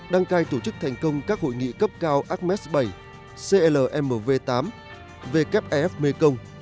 đăng cai tổ chức thành công các hội nghị cấp cao acmes vii clmv viii wfef mekong